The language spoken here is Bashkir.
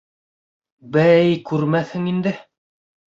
— Бәй, күрмәҫһең инде.